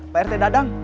pak rt dadang